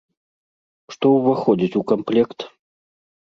Што ўваходзіць у камплект?